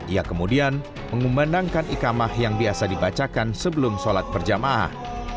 ia kemudian mengumandangkan ikamah yang biasa dibacakan sebelum sholat berjamaah